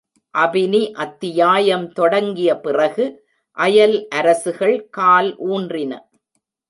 அபினி அத்தியாயம் தொடங்கிய பிறகு அயல் அரசுகள் கால் ஊன்றின.